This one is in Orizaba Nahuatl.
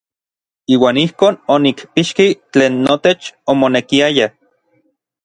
Iuan ijkon onikpixki tlen notech omonekiaya.